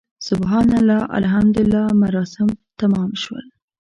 سبحان الله، الحمدلله مراسم تمام شول.